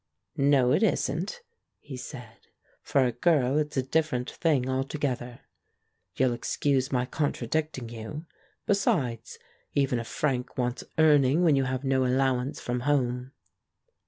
"No, it isn't," he said. "For a girl it's a dif ferent thing altogether. You'll excuse my con tradicting you? Besides, even a franc wants earning when you have no allowance from home."